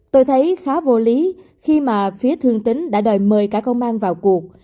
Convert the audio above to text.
tôi thấy khá vô lý khi mà phía thương tính đã đòi mời cả công an vào cuộc